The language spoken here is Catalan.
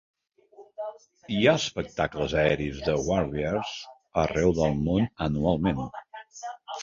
Hi ha espectacles aeris de "warbirds" arreu del món anualment.